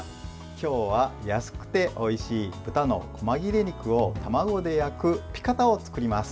今日は、安くておいしい豚のこま切れ肉を卵で焼くピカタを作ります。